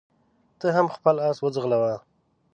ته هم خپل اس وځغلوه.